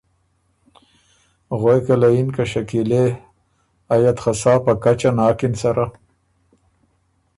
غوېکه له یِن که ”شکیلې ـــ ائ یه ت خه سا په کچه ناکِن سره“